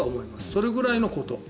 それぐらいのこと。